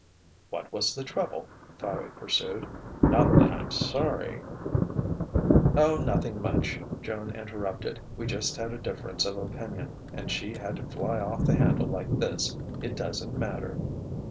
"What was the trouble?" Fowey pursued. "Not that I'm sorry " "Oh, nothing much," Joan interrupted. "We just had a difference of opinion, and she had to fly off the handle like this. It doesn't matter."